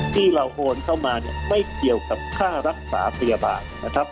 ที่เราโอนเข้ามาเนี่ยไม่เกี่ยวกับค่ารักษาพยาบาลนะครับ